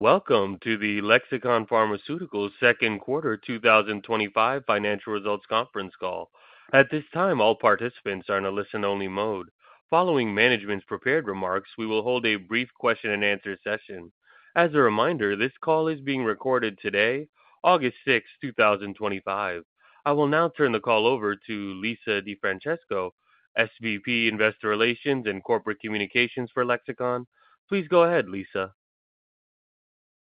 Welcome to the Lexicon Pharmaceuticals second quarter 2025 financial results conference call. At this time, all participants are in a listen-only mode. Following management's prepared remarks, we will hold a brief question-and-answer session. As a reminder, this call is being recorded today, August 6th, 2025. I will now turn the call over to Lisa DeFrancesco, SVP, Investor Relations and Corporate Communications for Lexicon. Please go ahead, Lisa.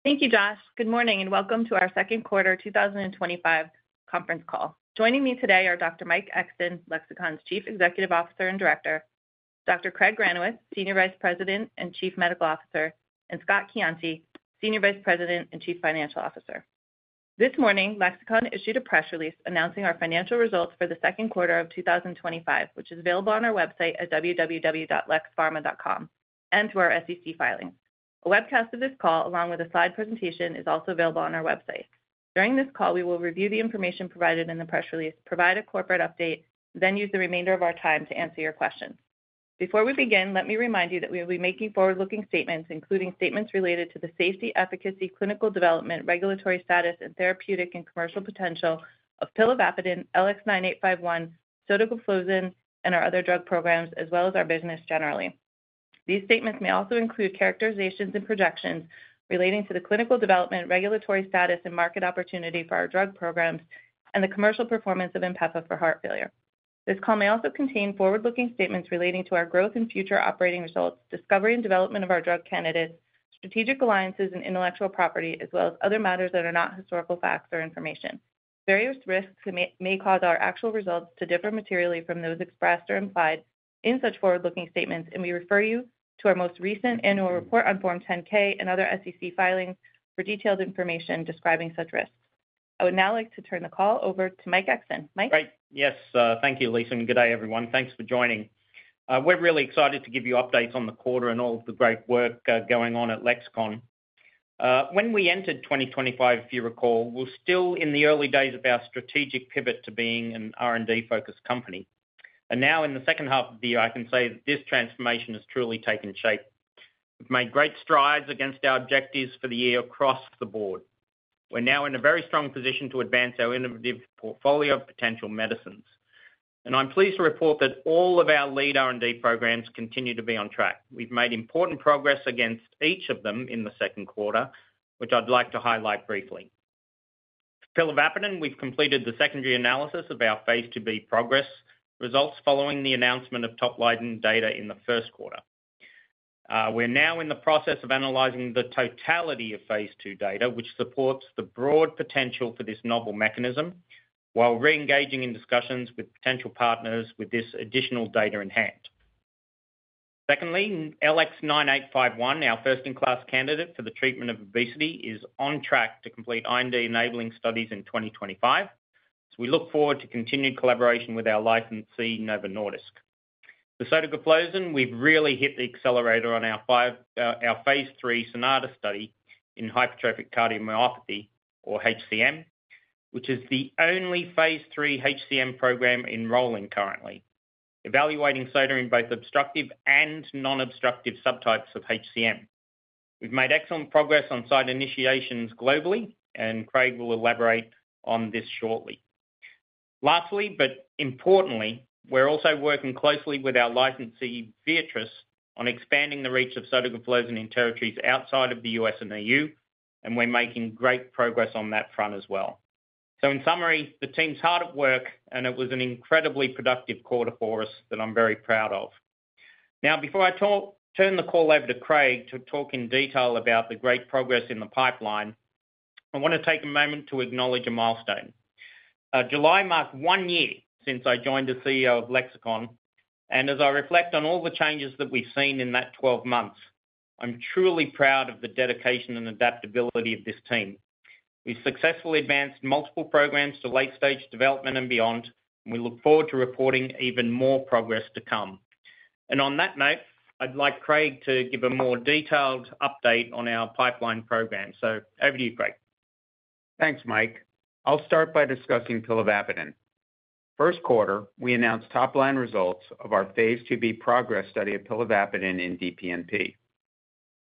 Thank you, Josh. Good morning and welcome to our second quarter 2025 conference call. Joining me today are Dr. Mike Exton, Lexicon's Chief Executive Officer and Director, Dr. Craig Granowitz, Senior Vice President and Chief Medical Officer, and Scott Coiante, Senior Vice President and Chief Financial Officer. This morning, Lexicon issued a press release announcing our financial results for the second quarter of 2025, which is available on our website at www.lexpharma.com and through our SEC filing. A webcast of this call, along with a slide presentation, is also available on our website. During this call, we will review the information provided in the press release, provide a corporate update, and then use the remainder of our time to answer your questions. Before we begin, let me remind you that we will be making forward-looking statements, including statements related to the safety, efficacy, clinical development, regulatory status, and therapeutic and commercial potential of pilavapadin, LX-9851, sotagliflozin, and our other drug programs, as well as our business generally. These statements may also include characterizations and projections relating to the clinical development, regulatory status, and market opportunity for our drug programs, and the commercial performance of INPEFA for heart failure. This call may also contain forward-looking statements relating to our growth and future operating results, discovery and development of our drug candidates, strategic alliances, and intellectual property, as well as other matters that are not historical facts or information. Various risks may cause our actual results to differ materially from those expressed or implied in such forward-looking statements, and we refer you to our most recent annual report on Form 10-K and other SEC filings for detailed information describing such risks. I would now like to turn the call over to Mike Exton. Mike? Yes, thank you, Lisa, and good day, everyone. Thanks for joining. We're really excited to give you updates on the quarter and all of the great work going on at Lexicon. When we entered 2025, if you recall, we're still in the early days of our strategic pivot to being an R&D-focused company. Now, in the second half of the year, I can say that this transformation has truly taken shape. We've made great strides against our objectives for the year across the board. We're now in a very strong position to advance our innovative portfolio of potential medicines. I'm pleased to report that all of our lead R&D programs continue to be on track. We've made important progress against each of them in the second quarter, which I'd like to highlight briefly. For pilavapadin, we've completed the secondary analysis of our phase II-B progress results following the announcement of top-lining data in the first quarter. We're now in the process of analyzing the totality of phase II data, which supports the broad potential for this novel mechanism, while re-engaging in discussions with potential partners with this additional data in hand. Secondly, LX-9851, our first-in-class candidate for the treatment of obesity, is on track to complete IND-enabling studies in 2025. We look forward to continued collaboration with our licensee, Novo Nordisk. For sotagliflozin, we've really hit the accelerator on our phase III SONATA study in hypertrophic cardiomyopathy, or HCM, which is the only phase III HCM program enrolling currently, evaluating SOTA in both obstructive and non-obstructive subtypes of HCM. We've made excellent progress on site initiations globally, and Craig will elaborate on this shortly. Lastly, but importantly, we're also working closely with our licensee, Beatrice, on expanding the reach of sotagliflozin in territories outside of the U.S. and EU, and we're making great progress on that front as well. In summary, the team's hard at work, and it was an incredibly productive quarter for us that I'm very proud of. Now, before I turn the call over to Craig to talk in detail about the great progress in the pipeline, I want to take a moment to acknowledge a milestone. July marked one year since I joined as CEO of Lexicon, and as I reflect on all the changes that we've seen in that 12 months, I'm truly proud of the dedication and adaptability of this team. We've successfully advanced multiple programs to late-stage development and beyond, and we look forward to reporting even more progress to come. On that note, I'd like Craig to give a more detailed update on our pipeline program. Over to you, Craig. Thanks, Mike. I'll start by discussing pilavapadin. First quarter, we announced top-line results of our phase II-B PROGRESS study of pilavapadin in DPMP.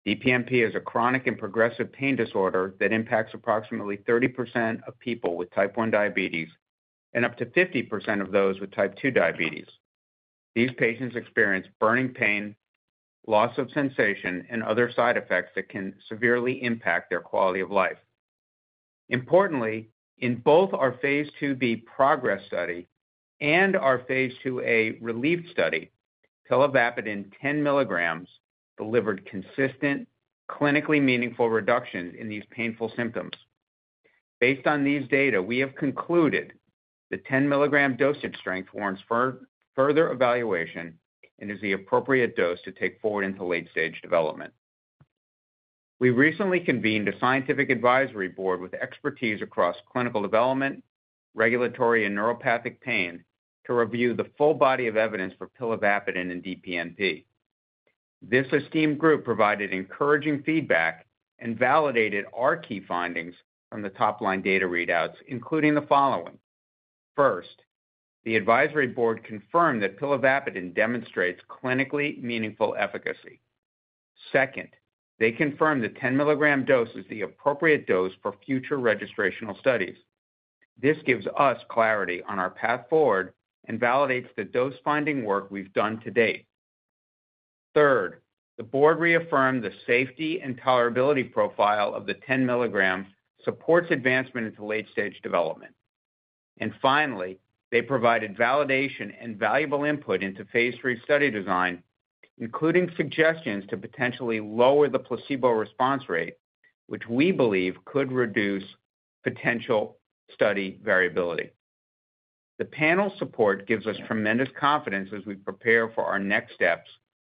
DPMP is a chronic and progressive pain disorder that impacts approximately 30% of people with type 1 diabetes and up to 50% of those with type 2 diabetes. These patients experience burning pain, loss of sensation, and other side effects that can severely impact their quality of life. Importantly, in both our phase II-B PROGRESS study and our phase II-A RELIEF study, pilavapadin 10 mg delivered consistent, clinically meaningful reductions in these painful symptoms. Based on these data, we have concluded the 10 mg dosage strength warrants further evaluation and is the appropriate dose to take forward into late-stage development. We recently convened a scientific advisory board with expertise across clinical development, regulatory, and neuropathic pain to review the full body of evidence for pilavapadin in DPMP. This esteemed group provided encouraging feedback and validated our key findings from the top-line data readouts, including the following: First, the advisory board confirmed that pilavapadin demonstrates clinically meaningful efficacy. Second, they confirmed the 10 mg dose is the appropriate dose for future registrational studies. This gives us clarity on our path forward and validates the dose-finding work we've done to date. Third, the board reaffirmed the safety and tolerability profile of the 10 mg supports advancement into late-stage development. Finally, they provided validation and valuable input into phase III study design, including suggestions to potentially lower the placebo response rate, which we believe could reduce potential study variability. The panel support gives us tremendous confidence as we prepare for our next steps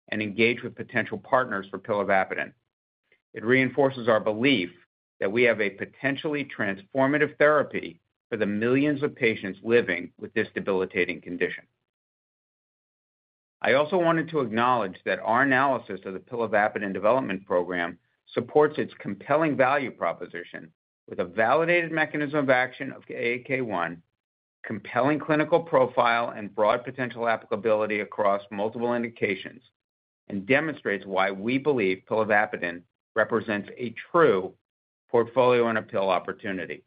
and engage with potential partners for pilavapadin. It reinforces our belief that we have a potentially transformative therapy for the millions of patients living with this debilitating condition. I also wanted to acknowledge that our analysis of the pilavapadin development program supports its compelling value proposition with a validated mechanism of action of AAK1, compelling clinical profile, and broad potential applicability across multiple indications, and demonstrates why we believe pilavapadin represents a true portfolio and a pill opportunity.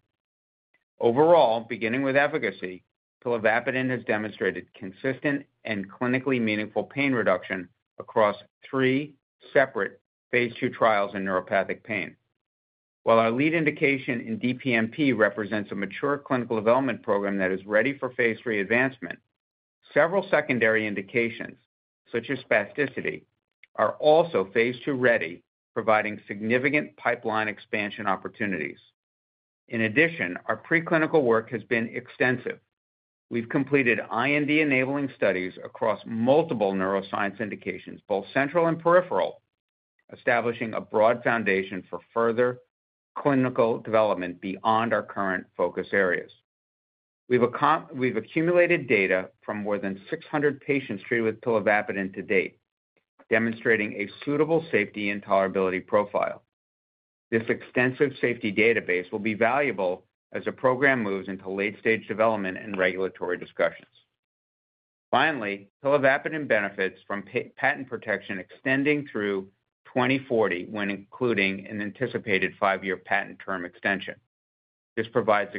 Overall, beginning with efficacy, pilavapadin has demonstrated consistent and clinically meaningful pain reduction across three separate phase III trials in neuropathic pain. While our lead indication in DPMP represents a mature clinical development program that is ready for phase III advancement, several secondary indications, such as spasticity, are also phase II ready, providing significant pipeline expansion opportunities. In addition, our preclinical work has been extensive. We've completed IND-enabling studies across multiple neuroscience indications, both central and peripheral, establishing a broad foundation for further clinical development beyond our current focus areas. We've accumulated data from more than 600 patients treated with pilavapadin to date, demonstrating a suitable safety and tolerability profile. This extensive safety database will be valuable as the program moves into late-stage development and regulatory discussions. Finally, pilavapadin benefits from patent protection extending through 2040 when including an anticipated five-year patent term extension. This provides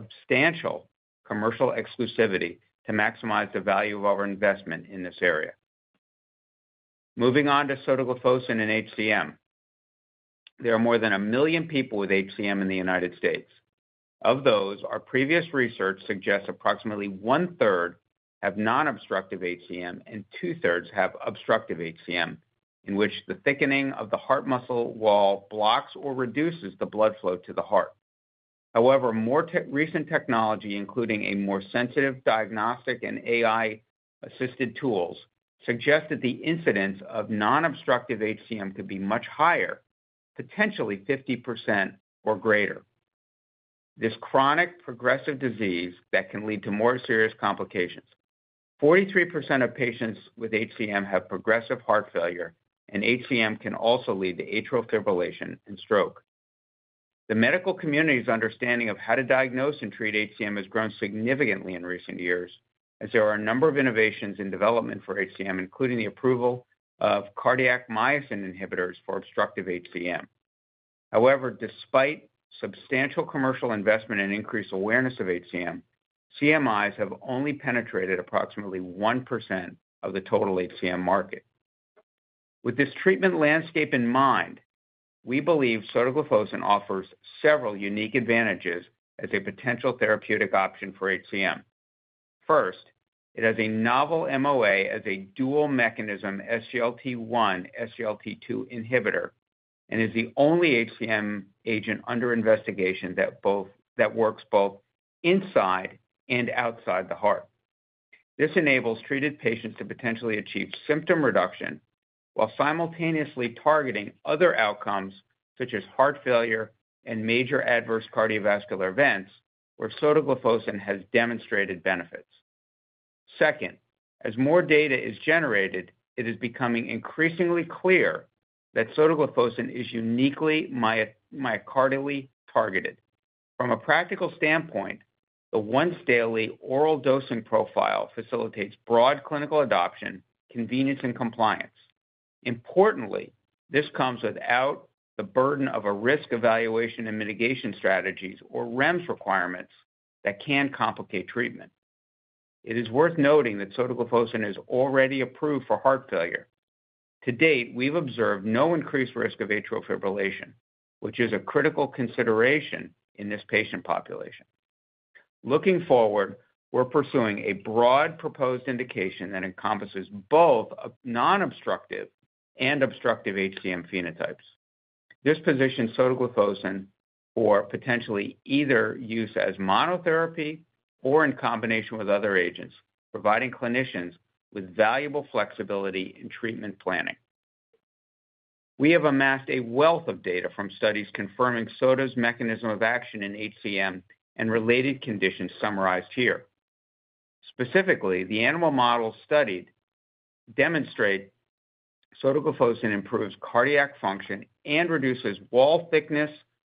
substantial commercial exclusivity to maximize the value of our investment in this area. Moving on to sotagliflozin in HCM, there are more than a million people with HCM in the United States. Of those, our previous research suggests approximately one-third have non-obstructive HCM and two-thirds have obstructive HCM, in which the thickening of the heart muscle wall blocks or reduces the blood flow to the heart. However, more recent technology, including a more sensitive diagnostic and AI-assisted tools, suggests that the incidence of non-obstructive HCM could be much higher, potentially 50% or greater. This chronic progressive disease can lead to more serious complications. 43% of patients with HCM have progressive heart failure, and HCM can also lead to atrial fibrillation and stroke. The medical community's understanding of how to diagnose and treat HCM has grown significantly in recent years, as there are a number of innovations in development for HCM, including the approval of cardiac myosin inhibitors for obstructive HCM. However, despite substantial commercial investment and increased awareness of HCM, CMIs have only penetrated approximately 1% of the total HCM market. With this treatment landscape in mind, we believe sotagliflozin offers several unique advantages as a potential therapeutic option for HCM. First, it has a novel MOA as a dual mechanism SGLT1/SGLT2 inhibitor and is the only HCM agent under investigation that works both inside and outside the heart. This enables treated patients to potentially achieve symptom reduction while simultaneously targeting other outcomes such as heart failure and major adverse cardiovascular events, where sotagliflozin has demonstrated benefits. Second, as more data is generated, it is becoming increasingly clear that sotagliflozin is uniquely myocardial targeted. From a practical standpoint, the once-daily oral dosing profile facilitates broad clinical adoption, convenience, and compliance. Importantly, this comes without the burden of a risk evaluation and mitigation strategies or REMS requirements that can complicate treatment. It is worth noting that sotagliflozin is already approved for heart failure. To date, we've observed no increased risk of atrial fibrillation, which is a critical consideration in this patient population. Looking forward, we're pursuing a broad proposed indication that encompasses both non-obstructive and obstructive HCM phenotypes. This positions sotagliflozin for potentially either use as monotherapy or in combination with other agents, providing clinicians with valuable flexibility in treatment planning. We have amassed a wealth of data from studies confirming sotagliflozin's mechanism of action in HCM and related conditions summarized here. Specifically, the animal models studied demonstrate sotagliflozin improves cardiac function and reduces wall thickness,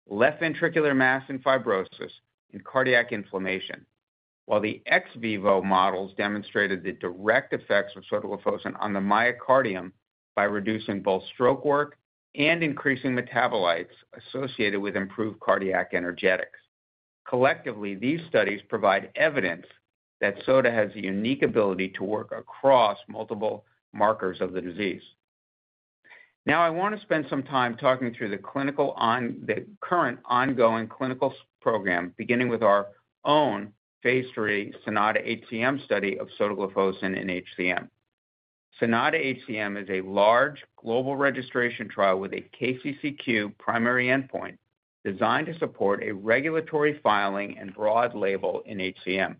left ventricular mass and fibrosis, and cardiac inflammation, while the ex vivo models demonstrated the direct effects of sotagliflozin on the myocardium by reducing both stroke work and increasing metabolites associated with improved cardiac energetics. Collectively, these studies provide evidence that SOTA has the unique ability to work across multiple markers of the disease. Now, I want to spend some time talking through the current ongoing clinical program, beginning with our own phase III SONATA-HCM study of sotagliflozin in HCM. SONATA-HCM is a large global registration trial with a KCCQ primary endpoint designed to support a regulatory filing and broad label in HCM.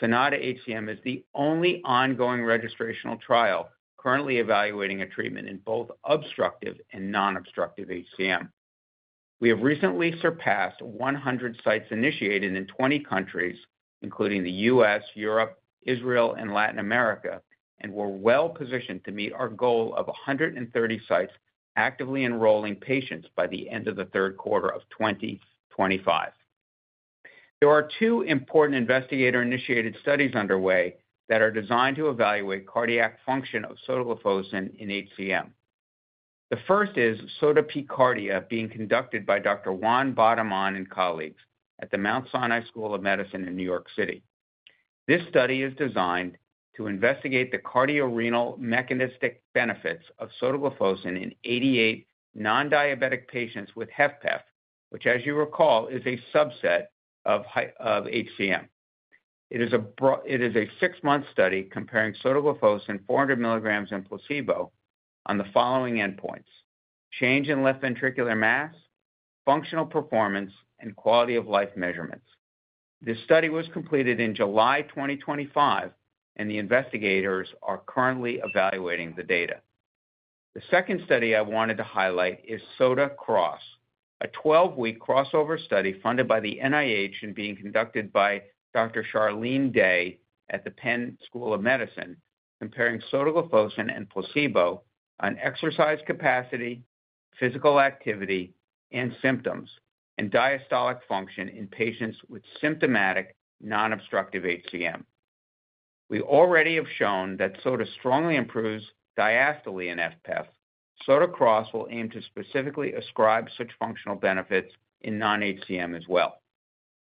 SONATA-HCM is the only ongoing registrational trial currently evaluating a treatment in both obstructive and non-obstructive HCM. We have recently surpassed 100 sites initiated in 20 countries, including the U.S., Europe, Israel, and Latin America, and we're well positioned to meet our goal of 130 sites actively enrolling patients by the end of the third quarter of 2025. There are two important investigator-initiated studies underway that are designed to evaluate cardiac function of sotagliflozin in HCM. The first is SOTA-PCARDIA being conducted by Dr. Juan Badimon and colleagues at the Mount Sinai School of Medicine in New York City. This study is designed to investigate the cardiorenal mechanistic benefits of sotagliflozin in 88 non-diabetic patients with HFpEF, which, as you recall, is a subset of HCM. It is a six-month study comparing sotagliflozin 400 mg and placebo on the following endpoints: change in left ventricular mass, functional performance, and quality of life measurements. This study was completed in July 2025, and the investigators are currently evaluating the data. The second study I wanted to highlight is SOTA-CROSS, a 12-week crossover study funded by the NIH and being conducted by Dr. Sharlene Day at the Penn School of Medicine, comparing sotagliflozin and placebo on exercise capacity, physical activity, symptoms, and diastolic function in patients with symptomatic non-obstructive HCM. We already have shown that sotagliflozin strongly improves diastole in HFpEF. SOTA-CROSS will aim to specifically ascribe such functional benefits in non-obstructive HCM as well.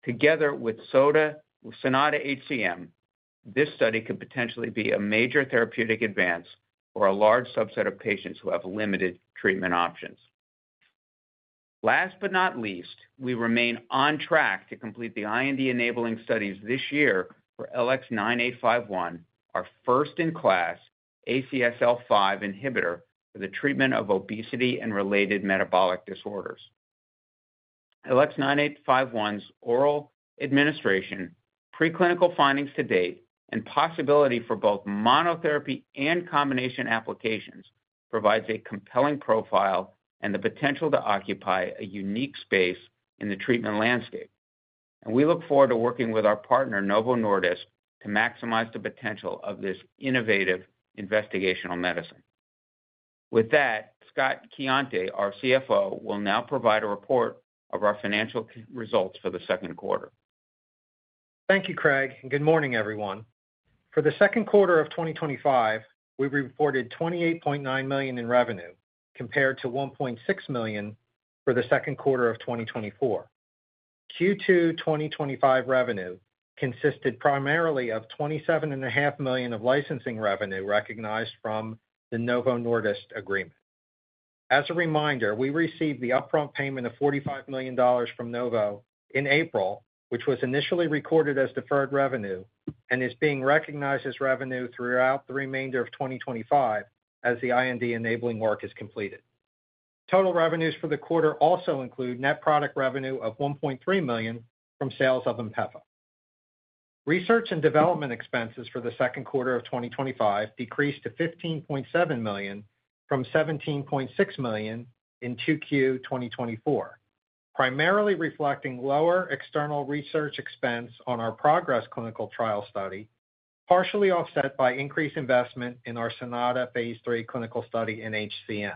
Together with SOTA the SONATA-HCM trial, this study could potentially be a major therapeutic advance for a large subset of patients who have limited treatment options. Last but not least, we remain on track to complete the IND-enabling studies this year for LX-9851, our first-in-class ACSL5 inhibitor for the treatment of obesity and related metabolic disorders. LX-9851's oral administration, preclinical findings to date, and possibility for both monotherapy and combination applications provide a compelling profile and the potential to occupy a unique space in the treatment landscape. We look forward to working with our partner, Novo Nordisk, to maximize the potential of this innovative investigational medicine. With that, Scott Coiante, our CFO, will now provide a report of our financial results for the second quarter. Thank you, Craig, and good morning, everyone. For the second quarter of 2025, we reported $28.9 million in revenue, compared to $1.6 million for the second quarter of 2024. Q2 2025 revenue consisted primarily of $27.5 million of licensing revenue recognized from the Novo Nordisk agreement. As a reminder, we received the upfront payment of $45 million from Novo in April, which was initially recorded as deferred revenue and is being recognized as revenue throughout the remainder of 2025 as the IND-enabling work is completed. Total revenues for the quarter also include net product revenue of $1.3 million from sales of INPEFA. Research and development expenses for the second quarter of 2025 decreased to $15.7 million from $17.6 million in Q2 2024, primarily reflecting lower external research expense on our PROGRESS clinical trial study, partially offset by increased investment in our SONATA phase III clinical study in HCM.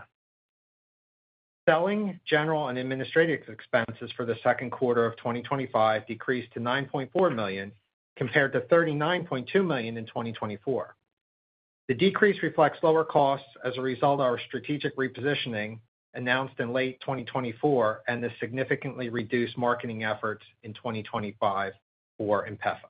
Selling, general, and administrative expenses for the second quarter of 2025 decreased to $9.4 million, compared to $39.2 million in 2024. The decrease reflects lower costs as a result of our strategic repositioning announced in late 2024 and the significantly reduced marketing efforts in 2025 for INPEFA.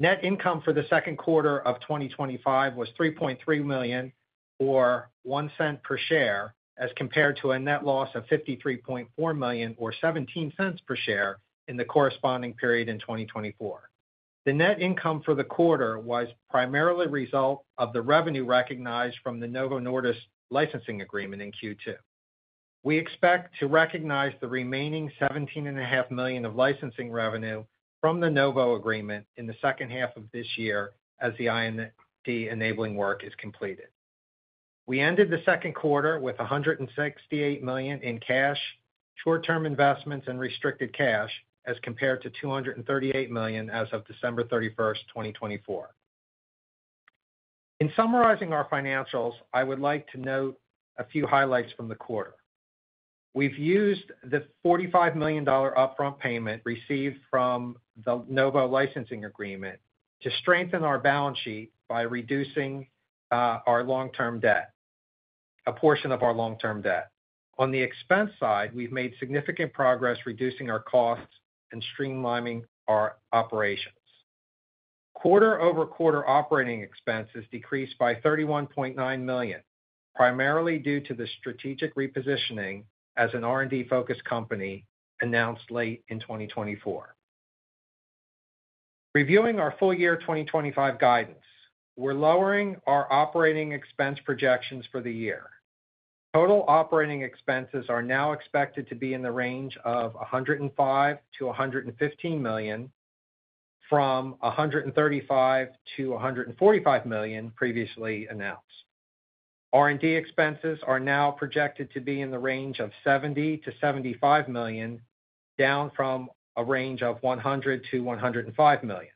Net income for the second quarter of 2025 was $3.3 million or $0.01 per share, as compared to a net loss of $53.4 million or $0.17 per share in the corresponding period in 2024. The net income for the quarter was primarily a result of the revenue recognized from the Novo Nordisk licensing agreement in Q2. We expect to recognize the remaining $17.5 million of licensing revenue from the Novo agreement in the second half of this year as the IND-enabling work is completed. We ended the second quarter with $168 million in cash, short-term investments, and restricted cash, as compared to $238 million as of December 31st, 2024. In summarizing our financials, I would like to note a few highlights from the quarter. We've used the $45 million upfront payment received from the Novo licensing agreement to strengthen our balance sheet by reducing a portion of our long-term debt. On the expense side, we've made significant progress reducing our costs and streamlining our operations. Quarter-over-quarter operating expenses decreased by $31.9 million, primarily due to the strategic repositioning as an R&D-focused company announced late in 2024. Reviewing our full-year 2025 guidance, we're lowering our operating expense projections for the year. Total operating expenses are now expected to be in the range of $105 million-$115 million, from $135 million-$145 million previously announced. R&D expenses are now projected to be in the range of $70 million-$75 million, down from a range of $100 million-$105 million,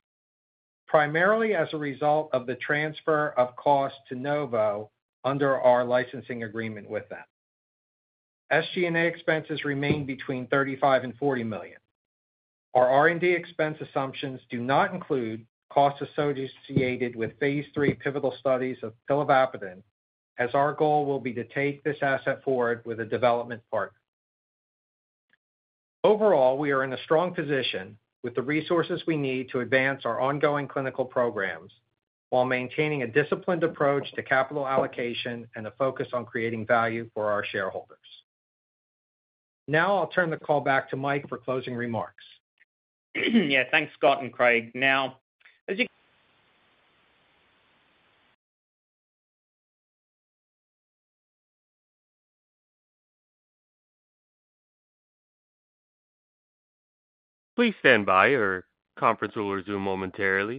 primarily as a result of the transfer of costs to Novo under our licensing agreement with them. SG&A expenses remain between $35 million and $40 million. Our R&D expense assumptions do not include costs associated with phase III pivotal studies of pilavapadin, as our goal will be to take this asset forward with a development partner. Overall, we are in a strong position with the resources we need to advance our ongoing clinical programs while maintaining a disciplined approach to capital allocation and a focus on creating value for our shareholders. Now, I'll turn the call back to Mike for closing remarks. Yeah, thanks, Scott and Craig. Now, as you. Please stand by. Your conference will resume momentarily.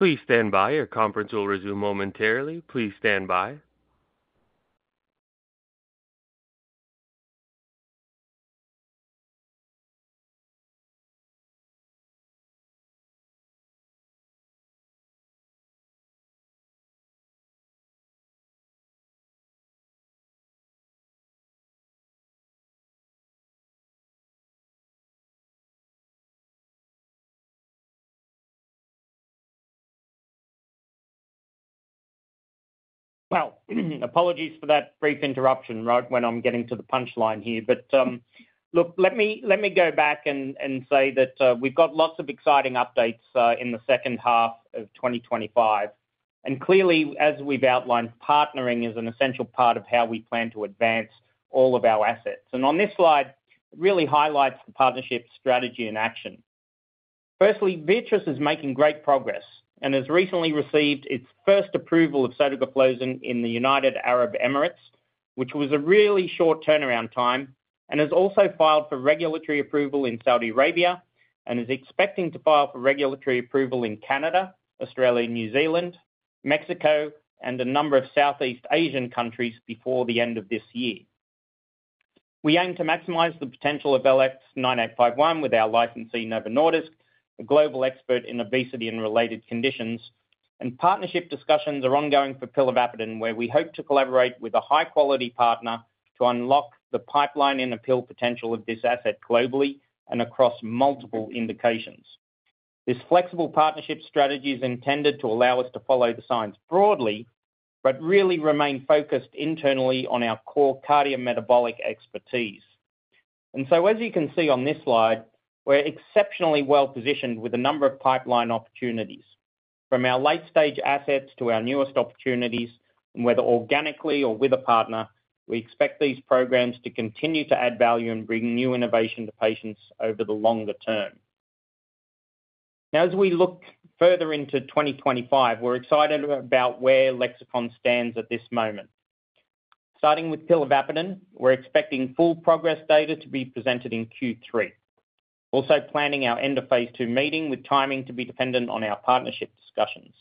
Please stand by. Your conference will resume momentarily. Please stand by. Your conference will resume momentarily. Please stand by. Apologies for that brief interruption when I'm getting to the punchline here. Let me go back and say that we've got lots of exciting updates in the second half of 2025. Clearly, as we've outlined, partnering is an essential part of how we plan to advance all of our assets. On this slide, it really highlights the partnership strategy and action. Firstly, Beatrice is making great progress and has recently received its first approval of sotagliflozin in the United Arab Emirates, which was a really short turnaround time, and has also filed for regulatory approval in Saudi Arabia and is expecting to file for regulatory approval in Canada, Australia, New Zealand, Mexico, and a number of Southeast Asian countries before the end of this year. We aim to maximize the potential of LX-9851 with our licensee, Novo Nordisk, a global expert in obesity and related conditions, and partnership discussions are ongoing for pilavapadin, where we hope to collaborate with a high-quality partner to unlock the pipeline and the pill potential of this asset globally and across multiple indications. This flexible partnership strategy is intended to allow us to follow the science broadly, but really remain focused internally on our core cardio-metabolic expertise. As you can see on this slide, we're exceptionally well positioned with a number of pipeline opportunities, from our late-stage assets to our newest opportunities, and whether organically or with a partner, we expect these programs to continue to add value and bring new innovation to patients over the longer term. As we look further into 2025, we're excited about where Lexicon stands at this moment. Starting with pilavapadin, we're expecting full progress data to be presented in Q3. We're also planning our end of phase II meeting with timing to be dependent on our partnership discussions.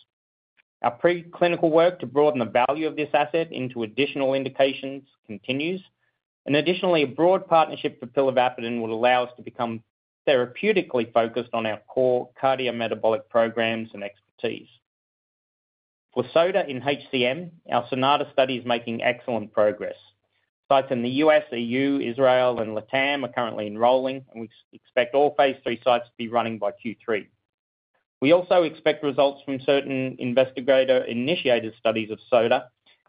Our preclinical work to broaden the value of this asset into additional indications continues, and additionally, a broad partnership for pilavapadin will allow us to become therapeutically focused on our core cardio-metabolic programs and expertise. For SOTA in HCM, our SONATA study is making excellent progress. Sites in the U.S., EU, Israel, and LATAM are currently enrolling, and we expect all phase III sites to be running by Q3. We also expect results from certain investigator-initiated studies of SOTA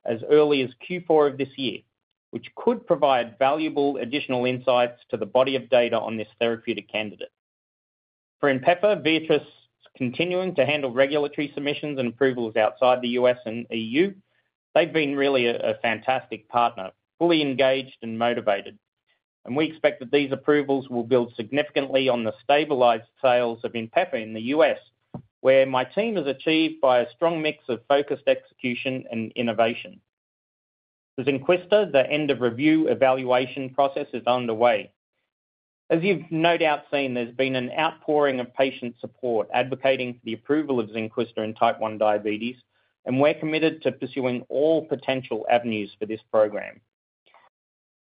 as early as Q4 of this year, which could provide valuable additional insights to the body of data on this therapeutic candidate. For INPEFA, Beatrice is continuing to handle regulatory submissions and approvals outside the U.S. and EU. They've been really a fantastic partner, fully engaged and motivated, and we expect that these approvals will build significantly on the stabilized sales of INPEFA in the U.S., where my team has achieved by a strong mix of focused execution and innovation. For Zynquista, the end-of-review evaluation process is underway. As you've no doubt seen, there's been an outpouring of patient support advocating for the approval of Zynquista in type 1 diabetes, and we're committed to pursuing all potential avenues for this program.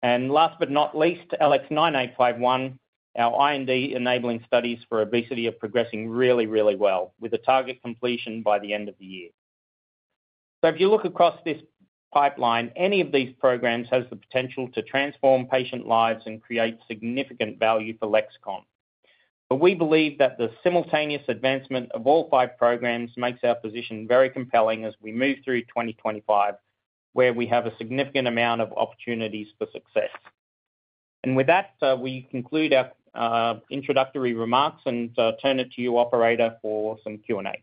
Last but not least, LX-9851, our IND-enabling studies for obesity are progressing really, really well, with a target completion by the end of the year. If you look across this pipeline, any of these programs have the potential to transform patient lives and create significant value for Lexicon. We believe that the simultaneous advancement of all five programs makes our position very compelling as we move through 2025, where we have a significant amount of opportunities for success. With that, we conclude our introductory remarks and turn it to you, operator, for some Q&A.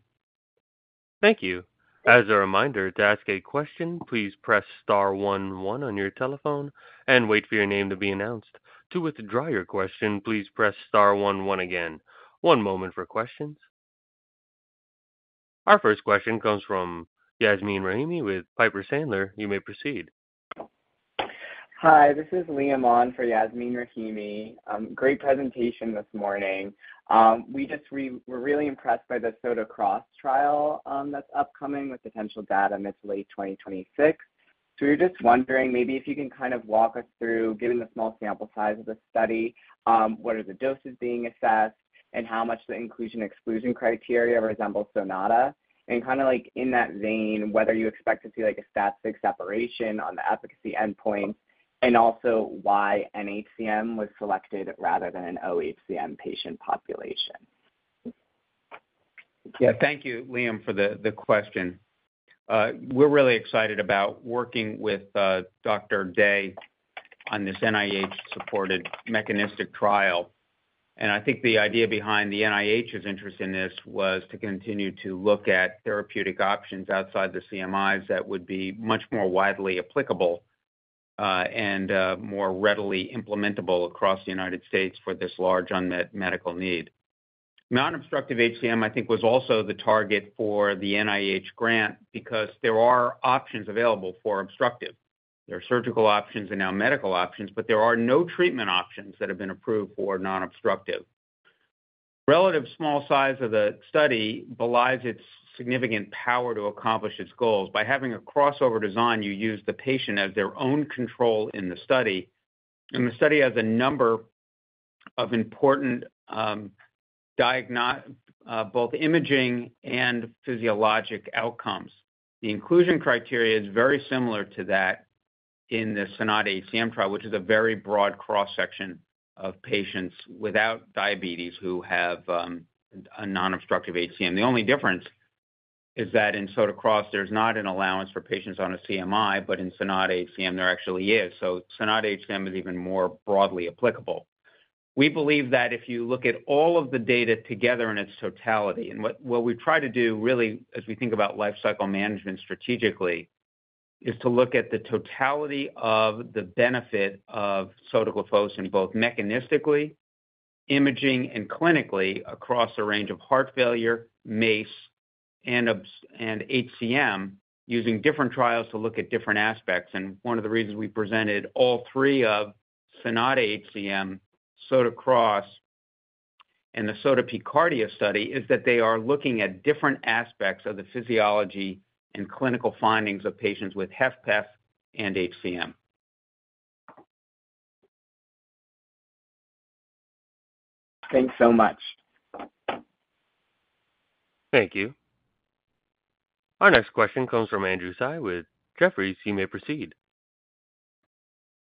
Thank you. As a reminder, to ask a question, please press star one one on your telephone and wait for your name to be announced. To withdraw your question, please press star one one again. One moment for questions. Our first question comes from Yasmeen Rahimi with Piper Sandler. You may proceed. Hi, this is Liam Ahn for Yasmeen Rahimi. Great presentation this morning. We just were really impressed by the SOTA-CROSS trial that's upcoming with potential data mid to late 2026. We were just wondering maybe if you can kind of walk us through, given the small sample size of the study, what are the doses being assessed and how much the inclusion/exclusion criteria resembles SONATA, and in that vein, whether you expect to see a static separation on the efficacy endpoint and also why nHCM was selected rather than an oHCM patient population. Yeah, thank you, Liam, for the question. We're really excited about working with Dr. Day on this NIH-supported mechanistic trial. I think the idea behind the NIH interest in this was to continue to look at therapeutic options outside the CMIs that would be much more widely applicable and more readily implementable across the U.S. for this large unmet medical need. Non-obstructive HCM, I think, was also the target for the NIH grant because there are options available for obstructive. There are surgical options and now medical options, but there are no treatment options that have been approved for non-obstructive. The relative small size of the study belies its significant power to accomplish its goals. By having a crossover design, you use the patient as their own control in the study, and the study has a number of important diagnostics, both imaging and physiologic outcomes. The inclusion criteria is very similar to that in the SONATA-HCM trial, which is a very broad cross-section of patients without diabetes who have a non-obstructive HCM. The only difference is that in SOTA-CROSS, there's not an allowance for patients on a CMI, but in SONATA-HCM, there actually is. SONATA-HCM is even more broadly applicable. We believe that if you look at all of the data together in its totality, and what we try to do really as we think about lifecycle management strategically is to look at the totality of the benefit of sotagliflozin both mechanistically, imaging, and clinically across a range of heart failure, MACE, and HCM, using different trials to look at different aspects. One of the reasons we presented all three of SONATA-HCM, SOTA-CROSS, and the SOTA-PCARDIA study is that they are looking at different aspects of the physiology and clinical findings of patients with HFpEF and HCM. Thanks so much. Thank you. Our next question comes from Andrew Tsai with Jefferies. You may proceed.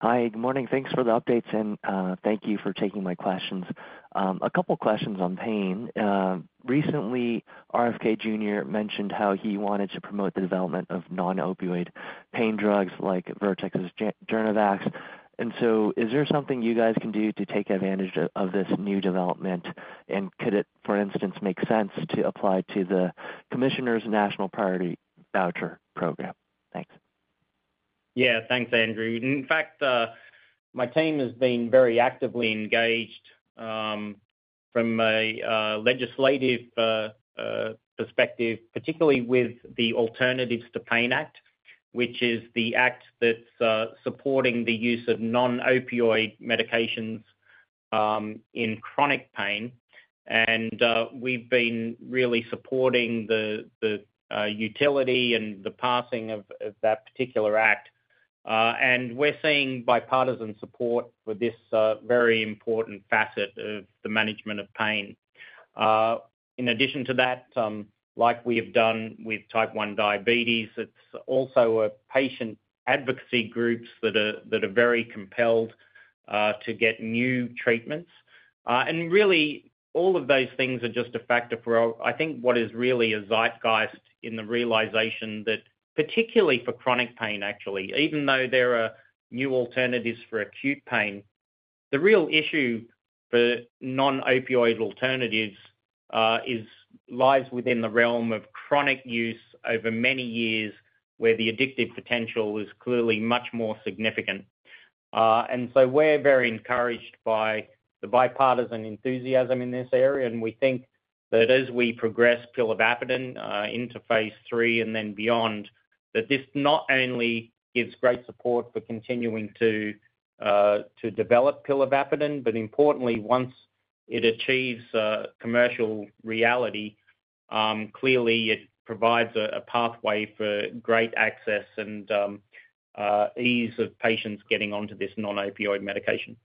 Hi, good morning. Thanks for the updates and thank you for taking my questions. A couple of questions on pain. Recently, RFK Jr. mentioned how he wanted to promote the development of non-opioid pain drugs like Vertex, Zanaflex. Is there something you guys can do to take advantage of this new development? Could it, for instance, make sense to apply to the Commissioner's National Priority Voucher program? Thanks. Yeah, thanks, Andrew. In fact, my team has been very actively engaged from a legislative perspective, particularly with the Alternatives to Pain Act, which is the act that's supporting the use of non-opioid medications in chronic pain. We've been really supporting the utility and the passing of that particular act. We're seeing bipartisan support for this very important facet of the management of pain. In addition to that, like we have done with type 1 diabetes, it's also patient advocacy groups that are very compelled to get new treatments. All of those things are just a factor for, I think, what is really a zeitgeist in the realization that, particularly for chronic pain, actually, even though there are new alternatives for acute pain, the real issue for non-opioid alternatives lies within the realm of chronic use over many years, where the addictive potential is clearly much more significant. We're very encouraged by the bipartisan enthusiasm in this area. We think that as we progress pilavapadin into phase III and then beyond, this not only gives great support for continuing to develop pilavapadin, but importantly, once it achieves commercial reality, clearly it provides a pathway for great access and ease of patients getting onto this non-opioid medication.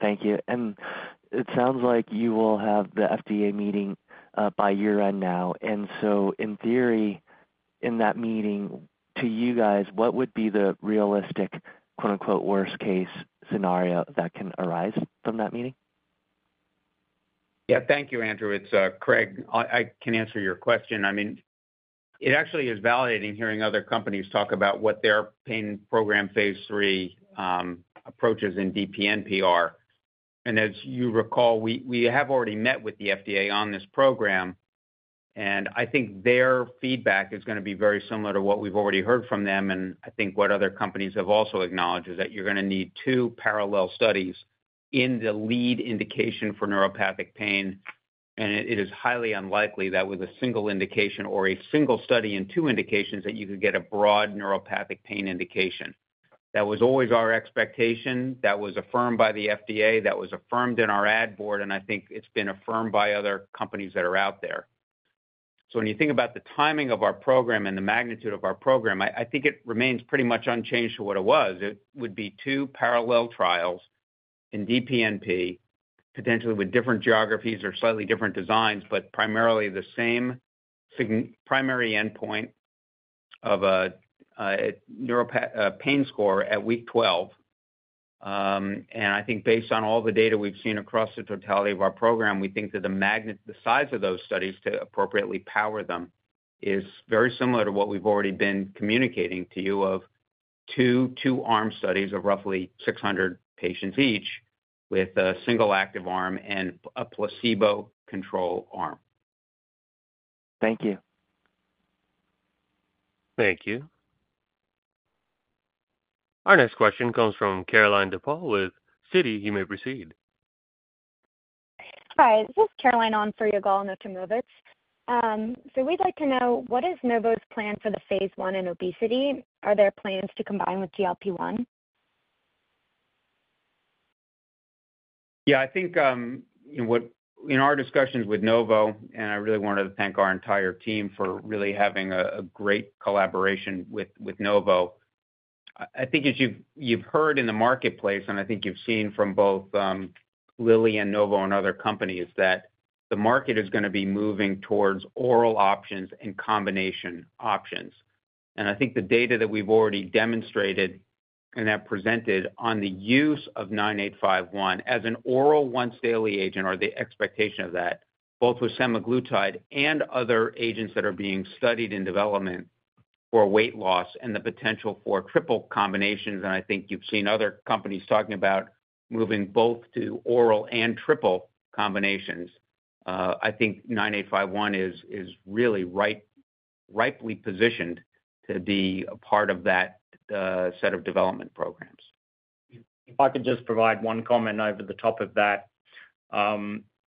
Thank you. It sounds like you will have the FDA meeting by year-end now. In theory, in that meeting, to you guys, what would be the realistic, quote-unquote, "worst-case scenario" that can arise from that meeting? Yeah, thank you, Andrew. It's Craig. I can answer your question. I mean, it actually is validating hearing other companies talk about what their pain program phase III approach is in DPMP. As you recall, we have already met with the FDA on this program. I think their feedback is going to be very similar to what we've already heard from them. I think what other companies have also acknowledged is that you're going to need two parallel studies in the lead indication for neuropathic pain. It is highly unlikely that with a single indication or a single study in two indications that you could get a broad neuropathic pain indication. That was always our expectation. That was affirmed by the FDA. That was affirmed in our ad board. I think it's been affirmed by other companies that are out there. When you think about the timing of our program and the magnitude of our program, I think it remains pretty much unchanged to what it was. It would be two parallel trials in DPMP, potentially with different geographies or slightly different designs, but primarily the same primary endpoint of a pain score at week 12. I think based on all the data we've seen across the totality of our program, we think that the size of those studies to appropriately power them is very similar to what we've already been communicating to you of two arm studies of roughly 600 patients each with a single active arm and a placebo-controlled arm. Thank you. Thank you. Our next question comes from Caroline DePaul with Citi. You may proceed. Hi, this is Caroline on for Yigal Nochomovitz. We'd like to know, what is Novo's plan for the phase I in obesity? Are there plans to combine with GLP-1? I think, in our discussions with Novo, I really wanted to thank our entire team for really having a great collaboration with Novo. I think as you've heard in the marketplace and I think you've seen from both Lilly and Novo and other companies that the market is going to be moving towards oral options and combination options. I think the data that we've already demonstrated and that presented on the use of LX-9851 as an oral once-daily agent or the expectation of that, both with semaglutide and other agents that are being studied in development for weight loss and the potential for triple combinations. I think you've seen other companies talking about moving both to oral and triple combinations. I think LX-9851 is really rightly positioned to be a part of that set of development programs. If I could just provide one comment over the top of that.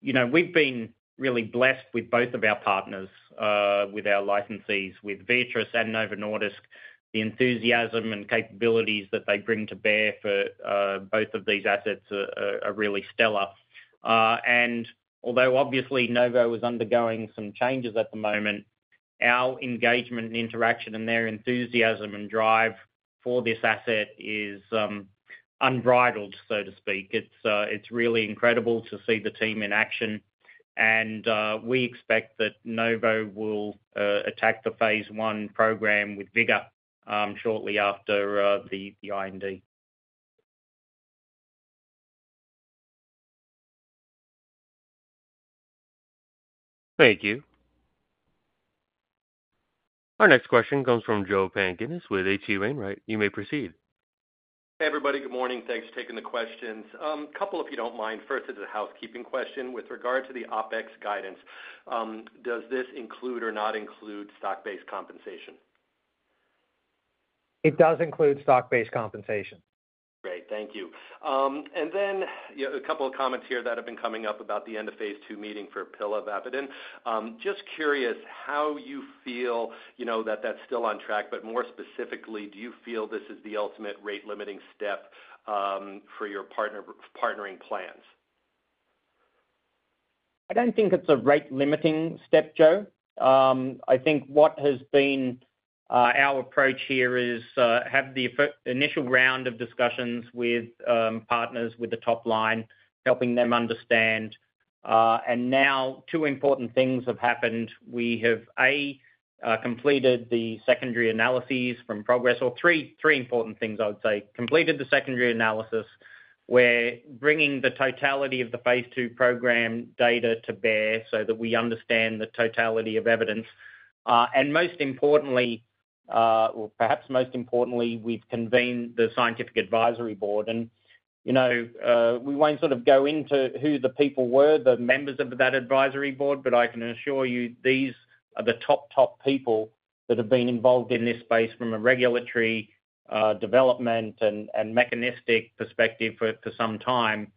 We've been really blessed with both of our partners, with our licensees, with Beatrice and Novo Nordisk. The enthusiasm and capabilities that they bring to bear for both of these assets are really stellar. Although obviously Novo is undergoing some changes at the moment, our engagement and interaction and their enthusiasm and drive for this asset is unbridled, so to speak. It's really incredible to see the team in action. We expect that Novo Nordisk will attack the phase I program with vigor shortly after the IND. Thank you. Our next question comes from Joe Pantginis with H.C. Wainwright. Right, you may proceed. Hey, everybody. Good morning. Thanks for taking the questions. A couple, if you don't mind. First, it's a housekeeping question. With regard to the operating expense guidance, does this include or not include stock-based compensation? It does include stock-based compensation. Great, thank you. A couple of comments here have been coming up about the end of phase II meeting for pilavapadin. Just curious how you feel, you know, that that's still on track, but more specifically, do you feel this is the ultimate rate-limiting step for your partnering plans? I don't think it's a rate-limiting step, Joe. I think what has been our approach here is to have the initial round of discussions with partners with the top line, helping them understand. Now, two important things have happened. We have, A, completed the secondary analysis from PROGRESS, or three important things, I would say. Completed the secondary analysis where bringing the totality of the phase II program data to bear so that we understand the totality of evidence. Most importantly, or perhaps most importantly, we've convened the scientific advisory board. You know, we won't sort of go into who the people were, the members of that advisory board, but I can assure you these are the top, top people that have been involved in this space from a regulatory development and mechanistic perspective for some time.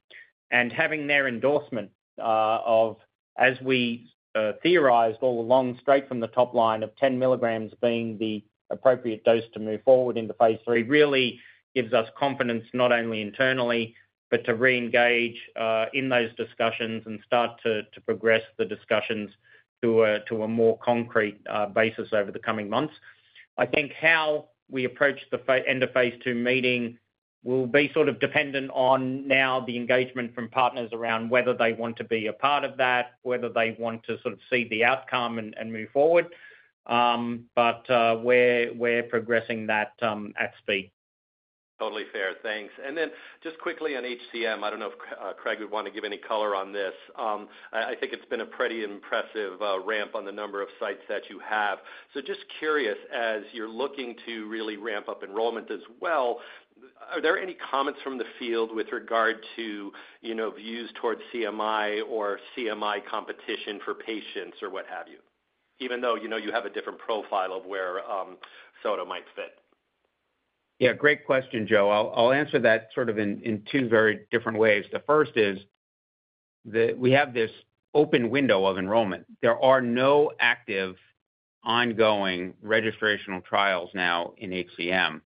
Having their endorsement of, as we theorized all along, straight from the top line of 10 milligrams being the appropriate dose to move forward into phase III really gives us confidence not only internally, but to re-engage in those discussions and start to progress the discussions to a more concrete basis over the coming months. I think how we approach the end of phase II meeting will be sort of dependent on now the engagement from partners around whether they want to be a part of that, whether they want to sort of see the outcome and move forward. We're progressing that at speed. Totally fair. Thanks. Just quickly on HCM, I don't know if Craig would want to give any color on this. I think it's been a pretty impressive ramp on the number of sites that you have. Just curious, as you're looking to really ramp up enrollment as well, are there any comments from the field with regard to, you know, views towards CMI or CMI competition for patients or what have you? Even though, you know, you have a different profile of where sotagliflozin might fit. Yeah, great question, Joe. I'll answer that sort of in two very different ways. The first is that we have this open window of enrollment. There are no active ongoing registrational trials now in HCM.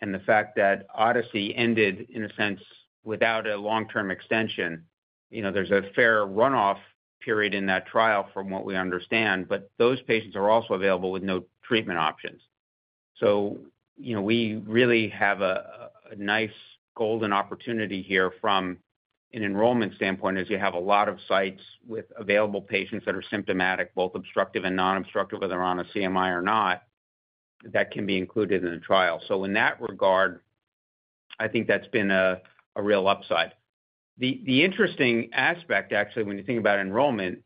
The fact that Odyssey ended, in a sense, without a long-term extension, there's a fair runoff period in that trial from what we understand. Those patients are also available with no treatment options. We really have a nice golden opportunity here from an enrollment standpoint as you have a lot of sites with available patients that are symptomatic, both obstructive and non-obstructive, whether they're on a CMI or not, that can be included in the trial. In that regard, I think that's been a real upside. The interesting aspect, actually, when you think about enrollment,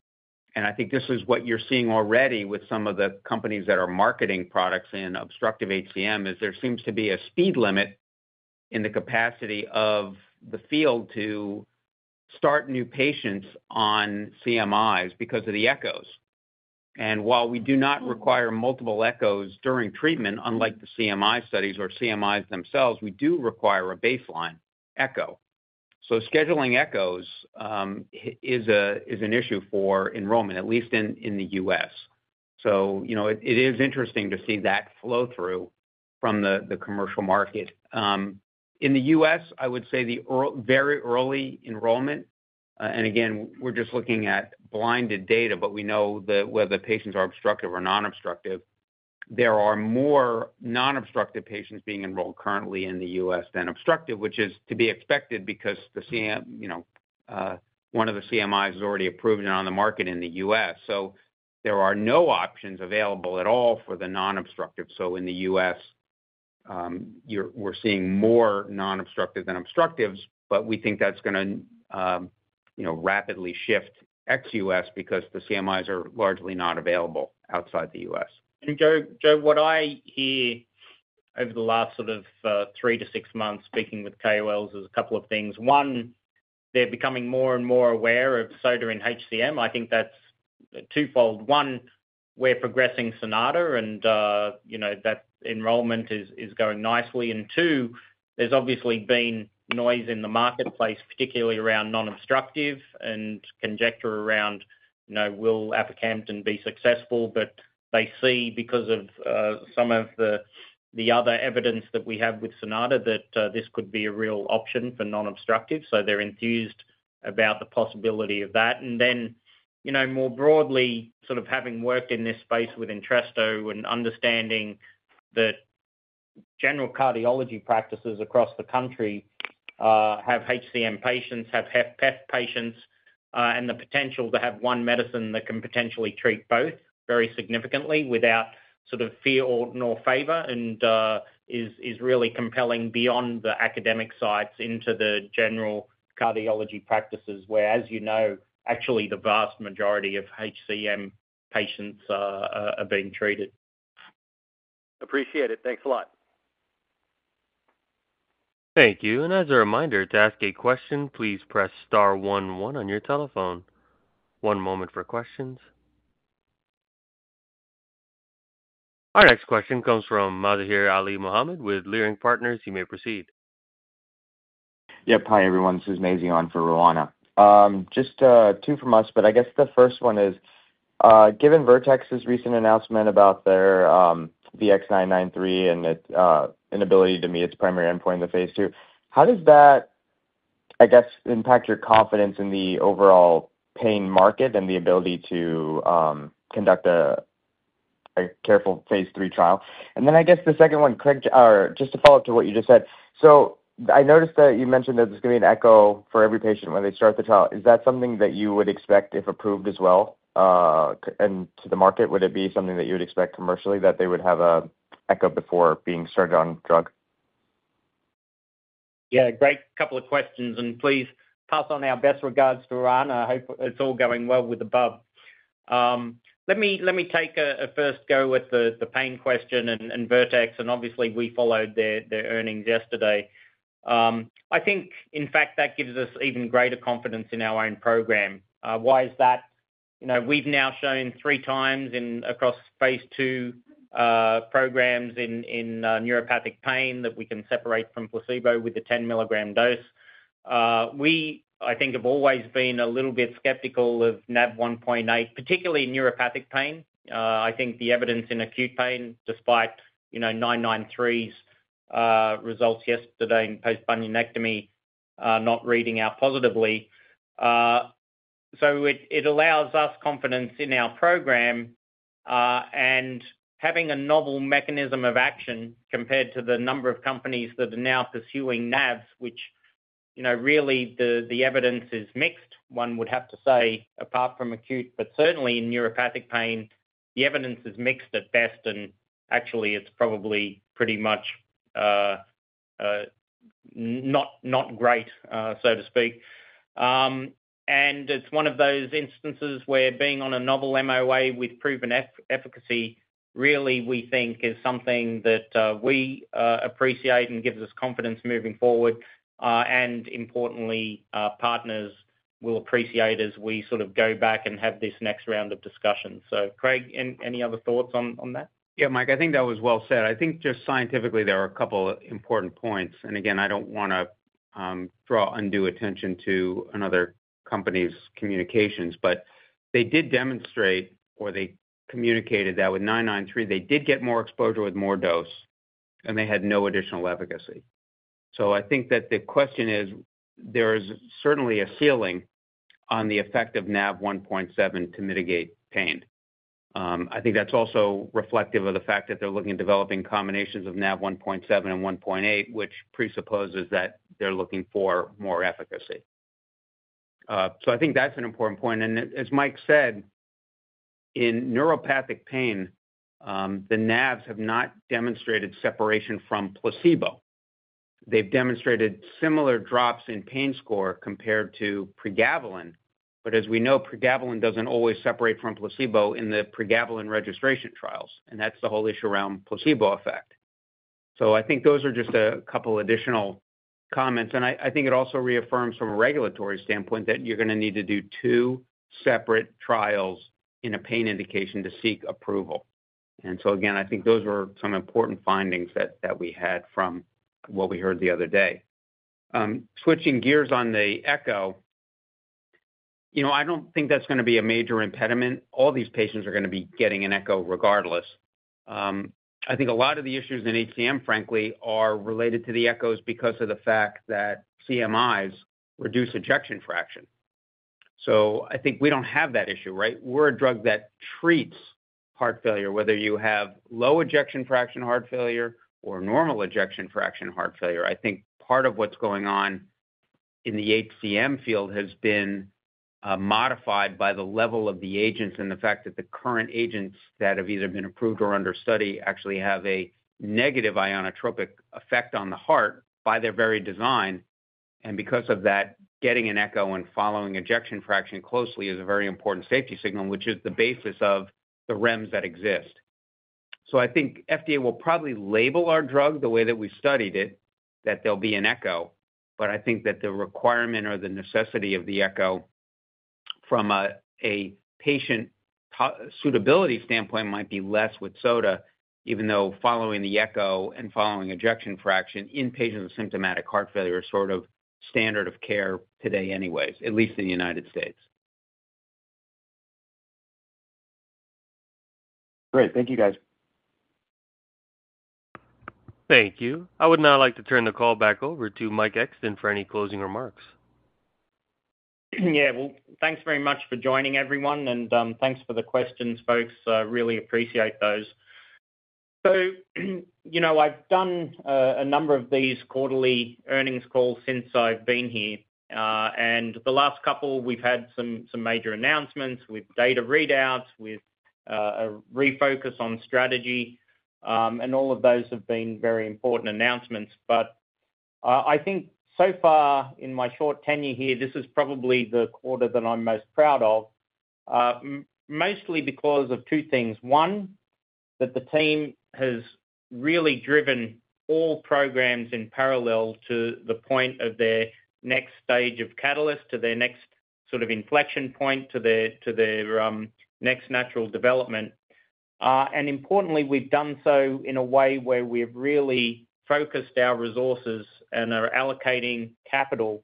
and I think this is what you're seeing already with some of the companies that are marketing products in obstructive HCM, is there seems to be a speed limit in the capacity of the field to start new patients on CMIs because of the echoes. While we do not require multiple echoes during treatment, unlike the CMI studies or CMIs themselves, we do require a baseline echo. Scheduling echoes is an issue for enrollment, at least in the U.S. It is interesting to see that flow through from the commercial market. In the U.S., I would say the very early enrollment, and again, we're just looking at blinded data, but we know that whether patients are obstructive or non-obstructive, there are more non-obstructive patients being enrolled currently in the U.S. than obstructive, which is to be expected because one of the CMIs is already approved and on the market in the U.S. There are no options available at all for the non-obstructive. In the U.S., we're seeing more non-obstructive than obstructives, but we think that's going to rapidly shift ex-U.S. because the CMIs are largely not available outside the U.S. Joe, what I hear over the last sort of three to six months speaking with KOLs is a couple of things. One, they're becoming more and more aware of SOTA and HCM. I think that's twofold. One, we're progressing SONATA, and that enrollment is going nicely. Two, there's obviously been noise in the marketplace, particularly around non-obstructive and conjecture around, you know, will [mavacamtem] be successful? They see, because of some of the other evidence that we have with SONATA, that this could be a real option for non-obstructive. They’re enthused about the possibility of that. More broadly, sort of having worked in this space with Entresto and understanding that general cardiology practices across the country have HCM patients, have HFpEF patients, and the potential to have one medicine that can potentially treat both very significantly without sort of fear or favor, is really compelling beyond the academic sites into the general cardiology practices where, as you know, actually the vast majority of HCM patients are being treated. Appreciate it. Thanks a lot. Thank you. As a reminder, to ask a question, please press star one one on your telephone. One moment for questions. Our next question comes from Mazahir Alimohammed with Leerink Partners. You may proceed. Yep. Hi, everyone. This is Mazi on for Rowana. Just two from us, but I guess the first one is, given Vertex's recent announcement about their VX-993 and its inability to meet its primary endpoint in the phase II, how does that, I guess, impact your confidence in the overall pain market and the ability to conduct a careful phase III trial? I guess the second one, just to follow up to what you just said. I noticed that you mentioned that there's going to be an echo for every patient when they start the trial. Is that something that you would expect if approved as well into the market? Would it be something that you would expect commercially that they would have an echo before being started on the drug? Yeah, great couple of questions. Please pass on our best regards to Rowana. I hope it's all going well with the bub. Let me take a first go with the pain question and Vertex. Obviously, we followed their earnings yesterday. I think, in fact, that gives us even greater confidence in our own program. Why is that? We've now shown three times across phase II programs in neuropathic pain that we can separate from placebo with a 10 mg dose. We, I think, have always been a little bit skeptical of NAV1.8, particularly in neuropathic pain. I think the evidence in acute pain, despite 993's results yesterday in post-bunionectomy, are not reading out positively. It allows us confidence in our program and having a novel mechanism of action compared to the number of companies that are now pursuing NAVs, which, you know, really the evidence is mixed, one would have to say, apart from acute. Certainly in neuropathic pain, the evidence is mixed at best. Actually, it's probably pretty much not great, so to speak. It's one of those instances where being on a novel MOA with proven efficacy really, we think, is something that we appreciate and gives us confidence moving forward. Importantly, partners will appreciate as we sort of go back and have this next round of discussions. Craig, any other thoughts on that? Yeah, Mike, I think that was well said. I think just scientifically, there are a couple of important points. I don't want to draw undue attention to another company's communications, but they did demonstrate or they communicated that with 993, they did get more exposure with more dose, and they had no additional efficacy. I think that the question is, there is certainly a ceiling on the effect of NAV 1.7 to mitigate pain. I think that's also reflective of the fact that they're looking at developing combinations of NAV 1.7 and 1.8, which presupposes that they're looking for more efficacy. I think that's an important point. As Mike said, in neuropathic pain, the NAVs have not demonstrated separation from placebo. They've demonstrated similar drops in pain score compared to pregabalin. As we know, pregabalin doesn't always separate from placebo in the pregabalin registration trials. That's the whole issue around placebo effect. I think those are just a couple of additional comments. I think it also reaffirms from a regulatory standpoint that you're going to need to do two separate trials in a pain indication to seek approval. I think those were some important findings that we had from what we heard the other day. Switching gears on the echo, I don't think that's going to be a major impediment. All these patients are going to be getting an echo regardless. I think a lot of the issues in HCM, frankly, are related to the echoes because of the fact that CMIs reduce ejection fraction. I think we don't have that issue, right? We're a drug that treats heart failure, whether you have low ejection fraction heart failure or normal ejection fraction heart failure. I think part of what's going on in the HCM field has been modified by the level of the agents and the fact that the current agents that have either been approved or under study actually have a negative inotropic effect on the heart by their very design. Because of that, getting an echo and following ejection fraction closely is a very important safety signal, which is the basis of the REMS that exist. I think FDA will probably label our drug the way that we studied it, that there'll be an echo. I think that the requirement or the necessity of the echo from a patient suitability standpoint might be less with sotagliflozin, even though following the echo and following ejection fraction in patients with symptomatic heart failure is sort of standard of care today anyways, at least in the U.S. Great. Thank you, guys. Thank you. I would now like to turn the call back over to Mike Exton for any closing remarks. Thank you very much for joining, everyone. Thank you for the questions, folks. I really appreciate those. I've done a number of these quarterly earnings calls since I've been here. In the last couple, we've had some major announcements with data readouts, with a refocus on strategy. All of those have been very important announcements. I think so far in my short tenure here, this is probably the quarter that I'm most proud of, mostly because of two things. One, the team has really driven all programs in parallel to the point of their next stage of catalyst, to their next sort of inflection point, to their next natural development. Importantly, we've done so in a way where we've really focused our resources and are allocating capital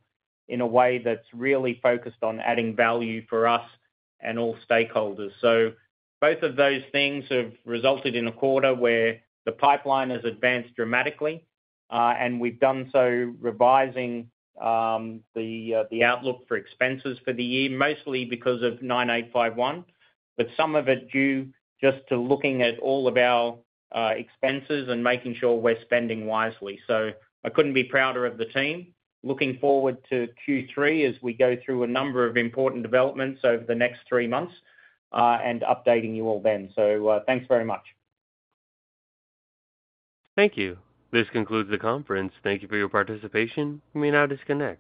in a way that's really focused on adding value for us and all stakeholders. Both of those things have resulted in a quarter where the pipeline has advanced dramatically. We've done so revising the outlook for expenses for the year, mostly because of 9851, but some of it due just to looking at all of our expenses and making sure we're spending wisely. I couldn't be prouder of the team. Looking forward to Q3 as we go through a number of important developments over the next three months and updating you all then. Thank you very much. Thank you. This concludes the conference. Thank you for your participation. You may now disconnect.